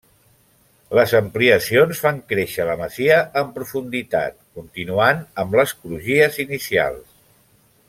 Les ampliacions fan créixer la masia en profunditat, continuant amb les crugies inicials.